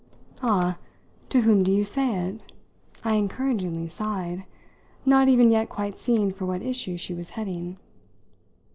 "Ah, to whom do you say it?" I encouragingly sighed; not even yet quite seeing for what issue she was heading.